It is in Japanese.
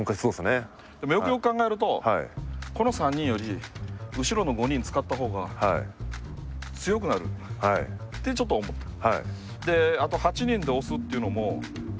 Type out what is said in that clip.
でも、よくよく考えるとこの３人より後ろの５人使った方が強くなるって、ちょっと思ってる。